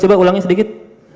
coba ulangin sedikit